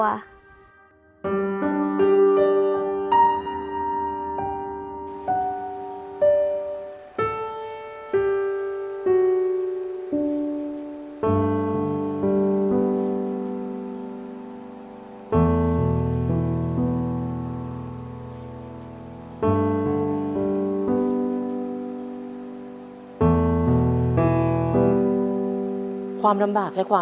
ตอนนี้หนูจะพยายามทำงานทุกอย่างที่ได้เงินเพื่อจะเก็บเงินมาสร้างบ้านให้ดีกว่า